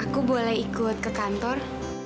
aku boleh ikut ke kantor